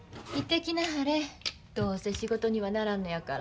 どうせ仕事にはならんのやから。